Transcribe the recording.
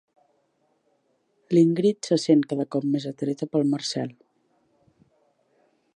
L'Ingrid se sent cada cop més atreta pel Marcel.